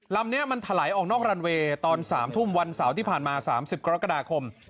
ลำนี้มันถลายออกนอกรันเวย์ตอน๓ทุ่มวันเสาร์ที่ผ่านมา๓๐กรกฎาคม